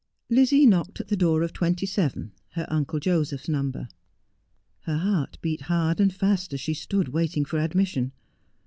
Lizzie knocked at the door of twenty seven, her Uncle Joseph's number. Her heart beat hard and fast as she stood waiting for admission.